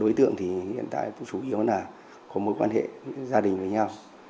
đối tượng thì hiện tại chủ yếu là có mối quan hệ gia đình với nhau